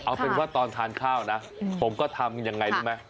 เอาเป็นว่าตอนทานข้าวนะผมก็ทำยังไงรู้ไหม